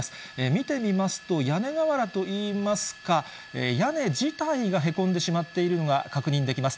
見てみますと、屋根瓦といいますか、屋根自体がへこんでしまっているのが確認できます。